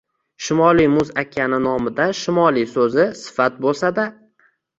Shimoliy Muz okeani nomida shimoliy soʻzi sifat boʻlsa-da